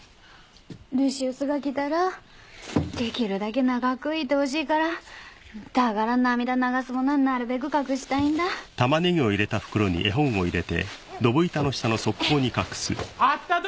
ルシウスが来たらできるだけ長くいてほしいからだから涙流すものはなるべく隠したいんだあったどー！